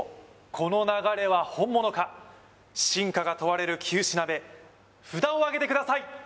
この流れは本物か真価が問われる９品目札をあげてください